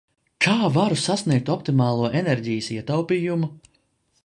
Kā varu sasniegt optimālo enerģijas ietaupījumu?